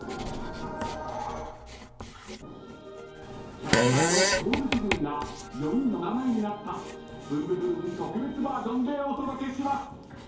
［キャラクターのコール部分が４人の名前になったブンブブーン特別バージョンでお届けします］